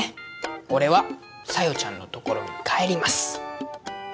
俺は小夜ちゃんのところに帰ります